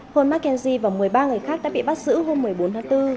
paul mckenzie và một mươi ba người khác đã bị bắt giữ hôm một mươi bốn tháng bốn